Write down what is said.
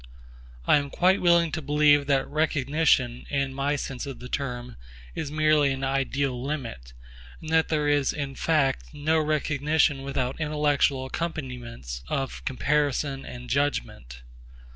I am quite willing to believe that recognition, in my sense of the term, is merely an ideal limit, and that there is in fact no recognition without intellectual accompaniments of comparison and judgment.